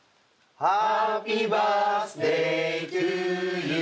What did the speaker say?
はい。